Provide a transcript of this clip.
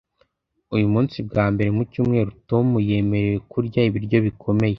uyu munsi, bwa mbere mu cyumweru, tom yemerewe kurya ibiryo bikomeye. (al_ex_an_der